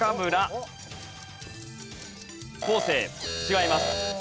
違います。